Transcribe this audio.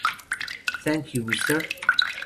Thank You Mr.